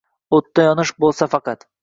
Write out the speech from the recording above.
O’tda yonish bo’lsa, faqat —